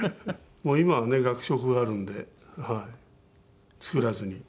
もう今はね学食があるんで作らずに。